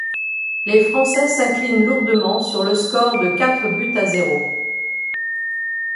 Les Français s'inclinent lourdement sur le score de quatre buts à zéro.